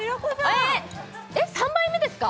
えっ３杯目ですか？